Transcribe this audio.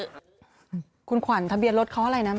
กิจกรรมนี้คุณขวัญทะเบียนรถเขาอะไรนะ